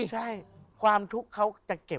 ใช่ความทุกข์เขาจะเก็บ